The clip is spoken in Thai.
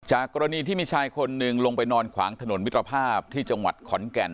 กรณีที่มีชายคนหนึ่งลงไปนอนขวางถนนมิตรภาพที่จังหวัดขอนแก่น